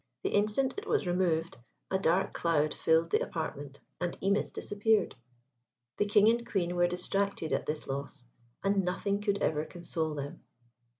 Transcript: The instant it was removed a dark cloud filled the apartment, and Imis disappeared. The King and Queen were distracted at this loss, and nothing could ever console them.